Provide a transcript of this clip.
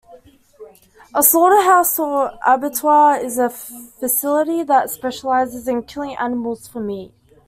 A slaughterhouse or abattoir is a facility that specializes in killing animals for meat.